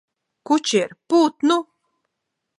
Kučier, pūt nu!